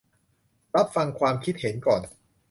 รับฟังความคิดเห็นก่อน